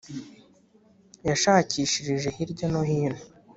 Yashakishirije hirya no hino.